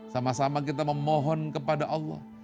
sama sama kita memohon kepada allah